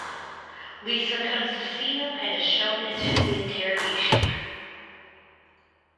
Lisa comes to see him and is shown into the interrogation room.